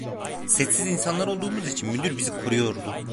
Sessiz insanlar olduğumuz için müdür bizi koruyordu.